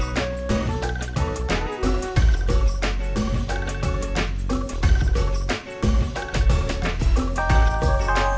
sama orangnya gak ada